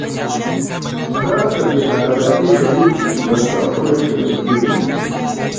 دا د بې عدالتۍ شدید مصداقونه شمېرل کیږي.